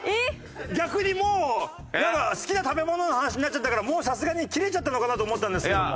逆にもうなんか好きな食べ物の話になっちゃったからさすがに切れちゃったのかなと思ったんですけども。